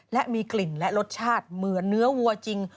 และมีกลิ่นและรสชาติเหมือนเนื้อวัวจริง